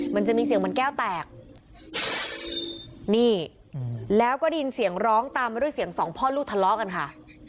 มันจะมีเสียงเหมือนแก้วแตกนี่แล้วก็ได้ยินเสียงร้องตามมาด้วยเสียงสองพ่อลูกทะเลาะกันค่ะ